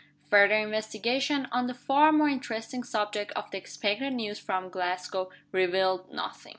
Further investigation, on the far more interesting subject of the expected news from Glasgow, revealed nothing.